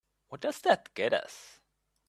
What does that get us?